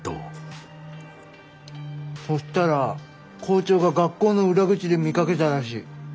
そしたら校長が学校の裏口で見かけたらしい。